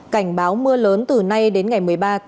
cảnh báo mưa lớn từ nay đến ngày một mươi ba